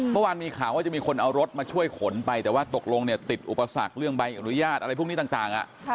เมื่อวานมีข่าวว่าจะมีคนเอารถมาช่วยขนไปแต่ว่าตกลงเนี่ยติดอุปสรรคเรื่องใบอนุญาตอะไรพวกนี้ต่าง